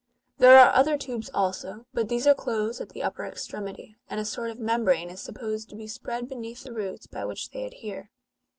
There are other tubes also, but these are closed at the upper extremity ; and a sort of membrane is supposed to be spread beneath the roots by which they adhere.